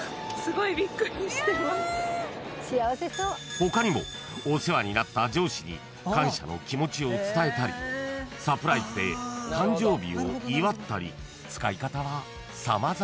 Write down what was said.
［他にもお世話になった上司に感謝の気持ちを伝えたりサプライズで誕生日を祝ったり使い方は様々］